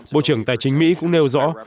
bộ trưởng tài chính mỹ cũng nêu rõ